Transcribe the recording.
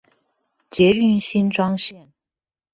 捷運新莊線